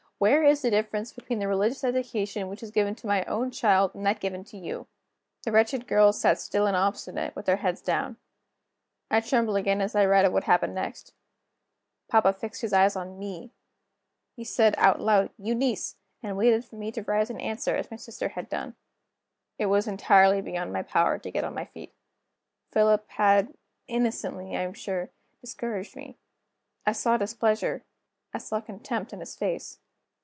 Where is the difference between the religious education which is given to my own child, and that given to you?" The wretched girls still sat silent and obstinate, with their heads down. I tremble again as I write of what happened next. Papa fixed his eyes on me. He said, out loud: "Eunice!" and waited for me to rise and answer, as my sister had done. It was entirely beyond my power to get on my feet. Philip had (innocently, I am sure) discouraged me; I saw displeasure, I saw contempt in his face.